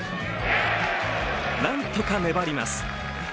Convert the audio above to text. なんとか粘ります。